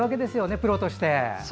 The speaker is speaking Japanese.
プロとして。